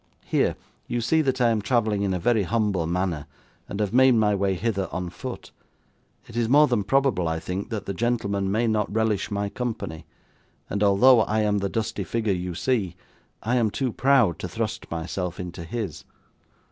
Here; you see that I am travelling in a very humble manner, and have made my way hither on foot. It is more than probable, I think, that the gentleman may not relish my company; and although I am the dusty figure you see, I am too proud to thrust myself into his.